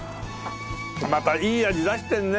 またいい味出してるね！